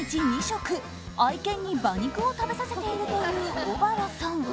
１日２食、愛犬に馬肉を食べさせているという小原さん。